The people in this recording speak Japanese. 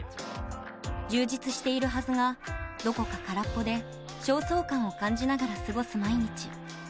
充実しているはずがどこか空っぽで焦燥感を感じながら過ごす毎日。